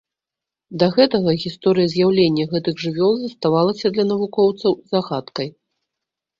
Да гэтага гісторыя з'яўлення гэтых жывёл заставалася для навукоўцаў загадкай.